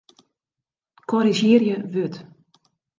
Korrizjearje wurd.